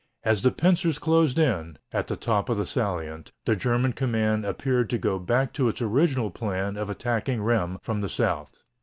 As the pincers closed in, at the top of the salient, the German command appeared to go back to its original plan of attacking Rheims from the south.